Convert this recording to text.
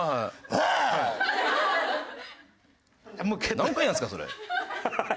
何回やるんですかそれ。